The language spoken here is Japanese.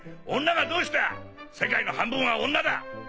女がどうした世界の半分は女だ。